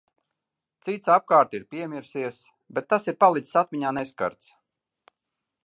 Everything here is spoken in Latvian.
Cits apkārt ir piemirsies, bet tas ir palicis atmiņā neskarts.